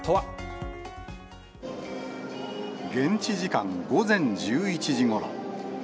現地時間午前１１時ごろ。